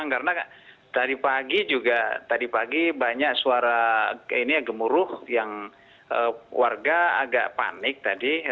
karena tadi pagi juga banyak suara gemuruh yang warga agak panik tadi